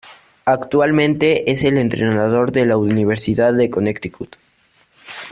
Actualmente es el entrenador de la Universidad de Connecticut.